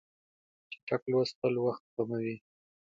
چټک لوستل وخت سپموي.